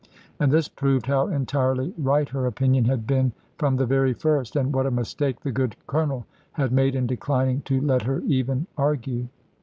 And this proved how entirely right her opinion had been from the very first, and what a mistake the good Colonel had made, in declining to let her even argue.